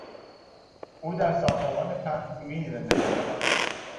او در ساختمان پهلویی زندگی میکند.